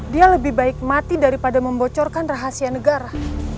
dia lebih baik mati daripada membocorkan rahasia negara